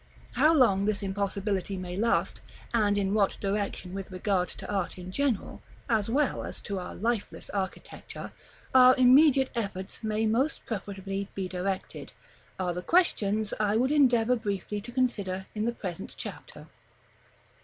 How long this impossibility may last, and in what direction with regard to art in general, as well as to our lifeless architecture, our immediate efforts may most profitably be directed, are the questions I would endeavor briefly to consider in the present chapter.